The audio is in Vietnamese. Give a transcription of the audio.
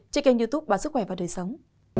trên kênh youtube báo sức khỏe và đời sống